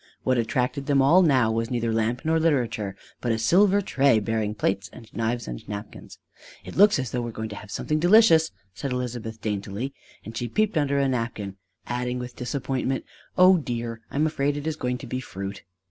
What attracted them all now was neither lamp nor literature, but a silver tray bearing plates and knives and napkins. "It looks as though we were going to have something delicious," said Elizabeth daintily; and she peeped under a napkin, adding with disappointment: "O dear! I am afraid it is going to be fruit!"